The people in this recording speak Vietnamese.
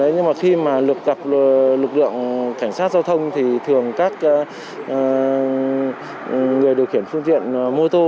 nhưng mà khi mà lực gặp lực lượng cảnh sát giao thông thì thường các người điều khiển phương tiện mô tô